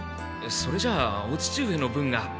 それじゃあお父上の分が。